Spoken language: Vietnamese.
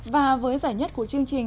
và với giải nhất của chương trình